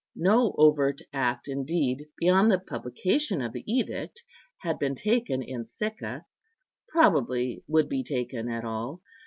No overt act, indeed, beyond the publication of the edict, had been taken in Sicca—probably would be taken at all.